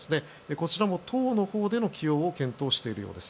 こちらも党のほうでの起用を検討しているようです。